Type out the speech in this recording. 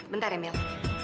bentar ya mel